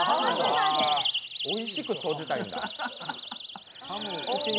おいしく閉じたいんだ。